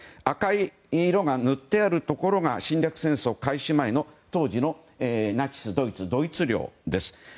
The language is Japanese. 赤い色が塗ってあるところが侵略戦争開始前の当時のナチスドイツドイツ領です。